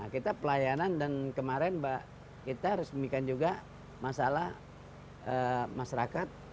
kita pelayanan dan kemarin kita resmikan juga masalah masyarakat